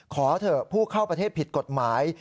ขอเถอะผู้เข้าประเทศผิดกฎหมาย